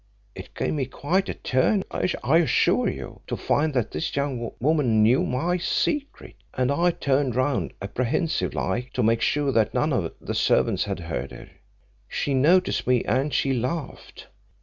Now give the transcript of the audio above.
It gave me quite a turn, I assure you, to find that this young woman knew my secret, and I turned round apprehensive like, to make sure that none of the servants had heard her. She noticed me and she laughed.